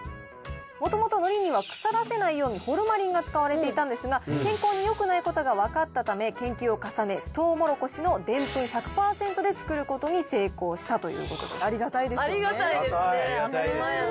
もともとのりには腐らせないようにホルマリンが使われていたんですが健康によくないことが分かったため研究を重ねトウモロコシのでんぷん１００％で作ることに成功したということですありがたいですよね。